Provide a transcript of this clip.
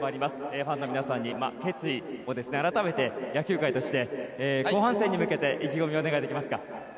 ファンの皆さんに決意を改めて野球界として後半戦に向けて意気込みをお願いできますか。